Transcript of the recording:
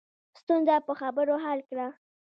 ستونزه په خبرو حل کړه